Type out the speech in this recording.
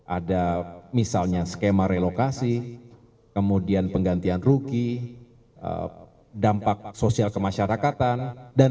ada misalnya skema relokasi kemudian penggantian ruki dampak sosial kemasyarakatan